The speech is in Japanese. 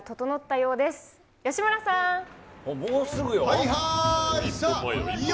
もうすぐよ。